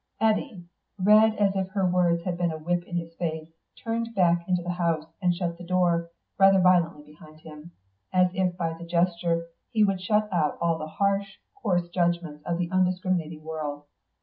Eddy, red as if her words had been a whip in his face, turned back into the house and shut the door rather violently behind him, as if by the gesture he would shut out all the harsh, coarse judgments of the undiscriminating world.